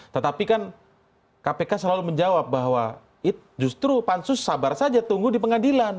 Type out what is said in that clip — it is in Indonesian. tetapi kan kpk selalu menjawab bahwa justru pansus sabar saja tunggu di pengadilan